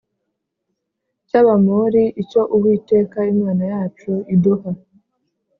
Cy abamori icyo uwiteka imana yacu iduha